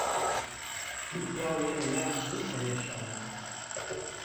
توخوا وەرە لام زۆر پەرێشانم